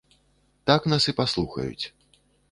Так нас і паслухаюць.